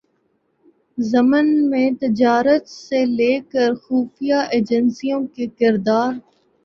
ضمن میں تجارت سے لے کرخفیہ ایجنسیوں کے کردار